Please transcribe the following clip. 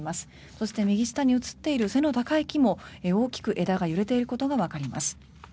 そして右下に映っている背の高い木も大きく枝が揺れていることがわかりました。